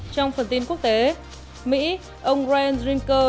trong phần tin quốc tế mỹ ông ryan rinker